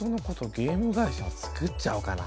ゲーム会社をつくっちゃおうかな。